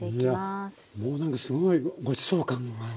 いやもう何かすごいごちそう感がね。